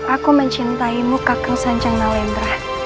aku mencintaimu kakeng sanjang nalendra